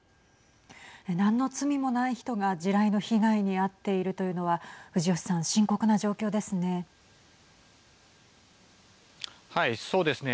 何の罪もない人が地雷の被害に遭っているというのは藤吉さん、深刻な状況ですね。